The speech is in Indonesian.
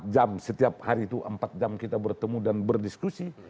empat jam setiap hari itu empat jam kita bertemu dan berdiskusi